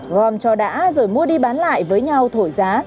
gom cho đã rồi mua đi bán lại với nhau thổi giá